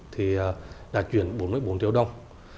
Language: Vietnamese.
thì đã chuyển bốn mươi bốn triệu đồng